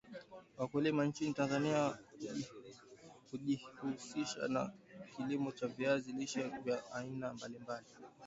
Wakulima nchini Tanzania ujihusisha na kilimo cha viazi lishe vya aina mbali mbali